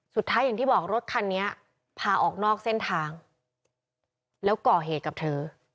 สุดท้ายอย่างที่บอกรถคันนี้พาออกนอกเส้นทางแล้วก่อเหตุกับเธอ